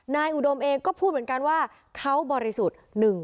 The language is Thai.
อุดมเองก็พูดเหมือนกันว่าเขาบริสุทธิ์